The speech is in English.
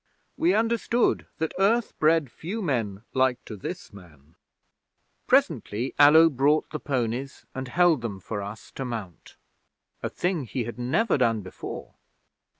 We understood that Earth bred few men like to this man. 'Presently Allo brought the ponies and held them for us to mount a thing he had never done before.